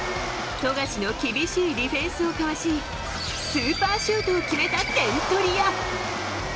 富樫の厳しいディフェンスをかわしスーパーシュートを決めた点取り屋。